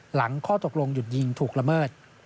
ข้อตกลงหยุดยิงถูกละเมิด